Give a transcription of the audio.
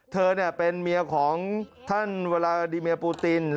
เธอเป็นเมียของท่านเวลาดิเมียปูติน